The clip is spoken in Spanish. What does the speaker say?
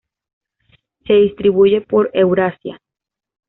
Se distribuye por Eurasia.